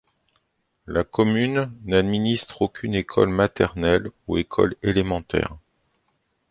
La commune n'administre aucune école maternelle ou école élémentaire.